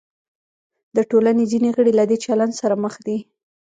د ټولنې ځینې غړي له دې چلند سره مخ دي.